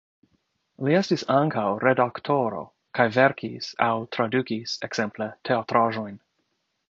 Li estis ankaŭ redaktoro kaj verkis aŭ tradukis ekzemple teatraĵojn.